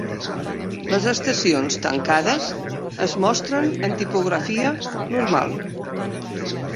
Les estacions tancades es mostren en tipografia normal.